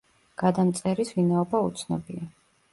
გადამწერის ვინაობა უცნობია.